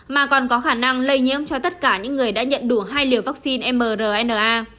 mà còn có khả năng lây nhiễm cho tất cả những người đã nhận đủ hai liều vaccine mrna